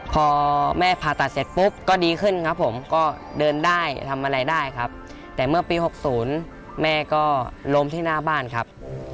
พอแม่ผ่าตัดเสร็จปุ๊บก็ดีขึ้นครับผมก็เดินได้ทำอะไรได้ครับแต่เมื่อปี๖๐แม่ก็ล้มที่หน้าบ้านครับ